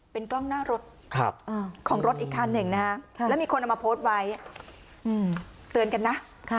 เป็นกล้องหน้ารถของรถอีกคันหนึ่งนะฮะแล้วมีคนเอามาโพสต์ไว้เตือนกันนะ